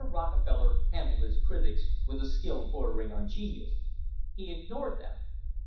Rockefeller handled his critics with a skill bordering on genius. He ignored them.